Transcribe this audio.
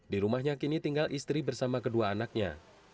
di rumahnya kini tinggal istri bersama kedua anaknya